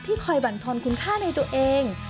ที่คอยหวันทนคุณค่าในตัวเอง